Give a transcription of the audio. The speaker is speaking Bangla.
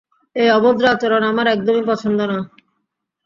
এই অভদ্র আচরণ আমার একদমই পছন্দ না!